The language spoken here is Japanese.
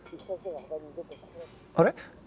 あれ？